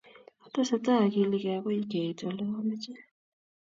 Atesetai akilikei akoi keit ole amoche